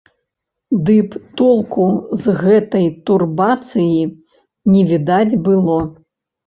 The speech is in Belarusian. Ды б толку з гэтай турбацыі не відаць было.